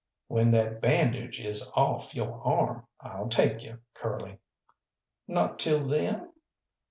"When that bandage is off yo' arm I'll take you, Curly." "Not till then?"